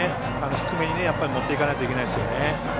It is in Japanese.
低めに持っていかないといけないですよね。